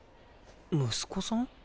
息子さん？